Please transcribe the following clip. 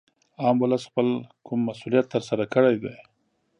عام ولس خپل کوم مسولیت تر سره کړی دی